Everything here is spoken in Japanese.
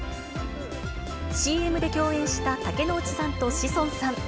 ＣＭで共演した竹野内さんと志尊さん。